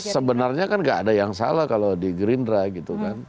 sebenarnya kan gak ada yang salah kalau di gerindra gitu kan